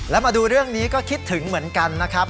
แล้วมาดูเรื่องนี้ก็คิดถึงเหมือนกันนะครับ